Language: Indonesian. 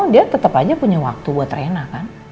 dia tetap aja punya waktu buat rena kan